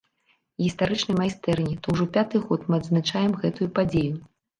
Гістарычнай майстэрні, то ўжо пяты год мы адзначаем гэтую падзею.